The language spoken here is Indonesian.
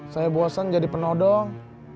saya bosan jadi penodong